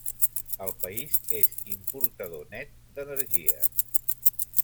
El país és importador net d'energia.